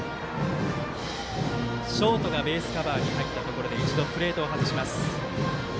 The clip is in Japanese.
ショートがベースカバーに入ったところで一度、プレートを外します。